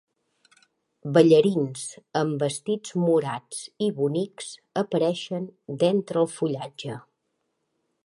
Ballarins amb vestits morats i bonics apareixen d'entre el fullatge.